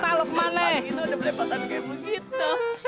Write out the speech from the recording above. paling itu udah melepatan kayak begitu